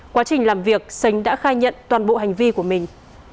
quá trình làm việc sánh đã khai nhận toàn bộ hành vi của mình